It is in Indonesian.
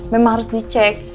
memang harus dicek